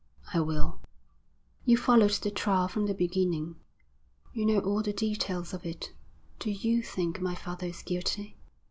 'I will.' 'You followed the trial from the beginning, you know all the details of it. Do you think my father is guilty?'